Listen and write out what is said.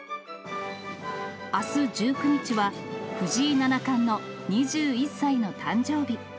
あす１９日は藤井七冠の２１歳の誕生日。